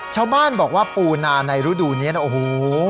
ชาวบ้านบอกว่าปูนาในฤดูนี้นะโอ้โห